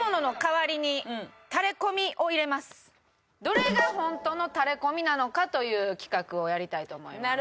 どれが本当のタレコミなのか？という企画をやりたいと思います。